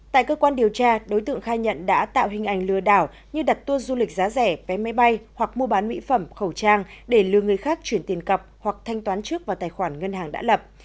tại cơ quan điều tra đối tượng khai nhận đã tạo hình ảnh lừa đảo như đặt tuôn du lịch giá rẻ vé máy bay hoặc mua bán mỹ phẩm khẩu trang để lừa người khác chuyển tiền cập hoặc thanh toán trước vào tài khoản ngân hàng đã lập